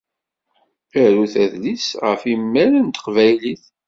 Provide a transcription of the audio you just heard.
Arut adlis ɣef imal n teqbaylit.